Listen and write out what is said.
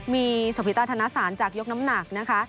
มีสวิตถาธนสารจากยกน้ำหนัก